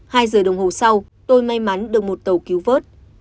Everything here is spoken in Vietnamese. hai giờ đồng hồ sau tôi may mắn được một tàu cứu vớt